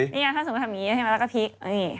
นี่ไงถ้าสมมติทำอย่างนี้แล้วก็พลิก